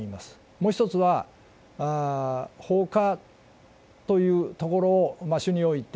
もう一つは、放火というところを主において、